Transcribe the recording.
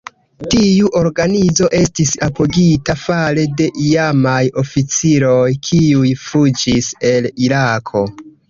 Tiu organizo estis apogita fare de iamaj oficiroj, kiuj fuĝis el Irako.